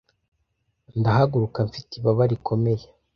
ndahaguruka mfite ibaba rikomeye